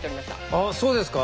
ああそうですか？